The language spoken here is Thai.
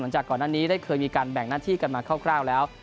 จากก่อนหน้านี้ได้เคยมีการแบ่งหน้าที่กันมาคร่าวแล้ว